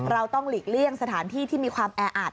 เราต้องหลีกเลี่ยงสถานที่ที่มีความแออัด